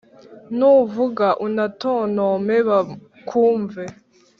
Nuvuga unatontome bakumve